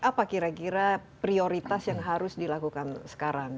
apa kira kira prioritas yang harus dilakukan sekarang